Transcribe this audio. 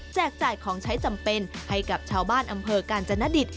จ่ายของใช้จำเป็นให้กับชาวบ้านอำเภอกาญจนดิต